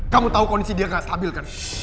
kamu tahu kondisi dia gak stabil kan